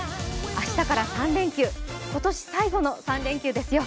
明日から３連休、今年最後の３連休ですよ。